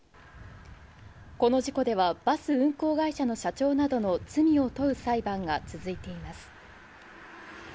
この事故では、バス運行会社の社長などの罪を問う裁判が続いています。